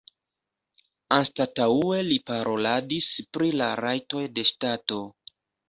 Anstataŭe li paroladis pri la rajtoj de ŝtato.